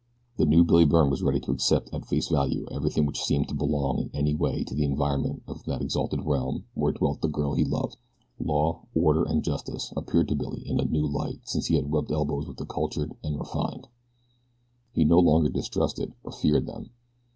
The new Billy Byrne was ready to accept at face value everything which seemed to belong in any way to the environment of that exalted realm where dwelt the girl he loved. Law, order, and justice appeared to Billy in a new light since he had rubbed elbows with the cultured and refined. He no longer distrusted or feared them.